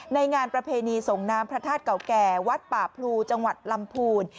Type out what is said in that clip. งานประเพณีส่งน้ำพระธาตุเก่าแก่วัดป่าพลูจังหวัดลำพูน